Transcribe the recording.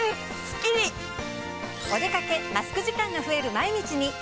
お出掛けマスク時間が増える毎日に。